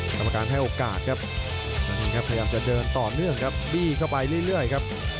กรรมการให้โอกาสครับตอนนี้ครับพยายามจะเดินต่อเนื่องครับบี้เข้าไปเรื่อยครับ